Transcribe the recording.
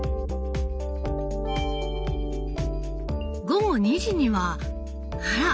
午後２時にはあら！